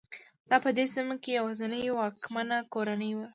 دا په دې سیمه کې یوازینۍ واکمنه کورنۍ وه.